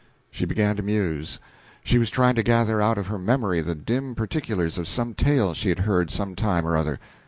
She began to muse; she was trying to gather out of her memory the dim particulars of some tale she had heard some time or other.